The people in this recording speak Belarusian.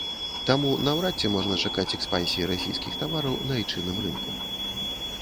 Таму наўрад ці можна чакаць экспансіі расійскіх тавараў на айчынным рынку.